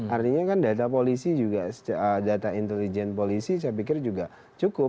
artinya kan data polisi juga data intelijen polisi saya pikir juga cukup